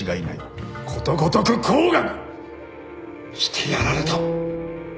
ことごとく甲賀にしてやられた。